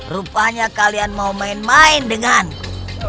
rupanya kalian mau main main denganku